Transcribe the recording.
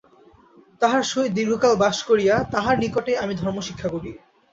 তাঁহার সহিত দীর্ঘকাল বাস করিয়া তাঁহার নিকটেই আমি ধর্ম শিক্ষা করি।